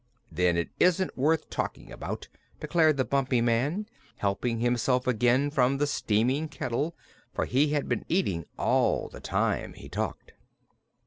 "Then it isn't worth talking about," declared the Bumpy Man, helping himself again from the steaming kettle, for he had been eating all the time he talked.